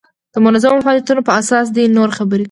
د منظمو فعالیتونو په اساس دې نور خبر کړي.